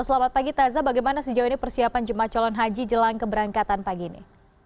selamat pagi taza bagaimana sejauh ini persiapan jemaah calon haji jelang keberangkatan pagi ini